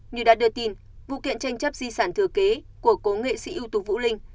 như đã đưa tin vụ kiện tranh chấp di sản thừa kế của cố nghệ sĩ ưu tú vũ linh